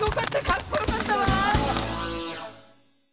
かっこよかったわ！